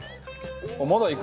まだいく？